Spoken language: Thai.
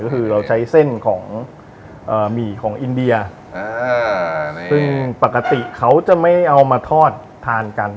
ก็คือเราใช้เส้นของหมี่ของอินเดียซึ่งปกติเขาจะไม่เอามาทอดทานกัน